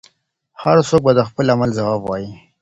هر څوک به د خپل عمل ځواب وايي.